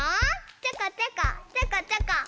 ちょこちょこちょこちょこ。